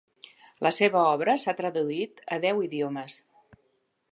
La seva obra s'ha traduït a deu idiomes.